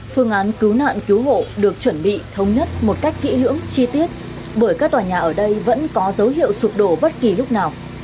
phương án cứu nạn cứu hộ được chuẩn bị thống nhất một cách kỹ lưỡng chi tiết bởi các tòa nhà ở đây vẫn có dấu hiệu sụp đổ bất kỳ lúc nào